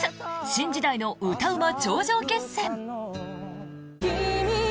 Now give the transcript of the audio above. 新時代の歌うま頂上決戦！